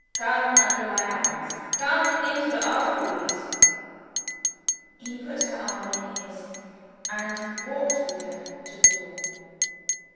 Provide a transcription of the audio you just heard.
Come under my arms! Come into the odder rooms!" He put her arm in his, and walked with her to the door.